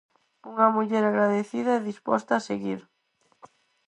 Unha muller agradecida e disposta a seguir.